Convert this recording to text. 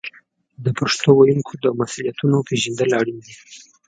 د پښتو ویونکو د مسوولیتونو پیژندل اړین دي.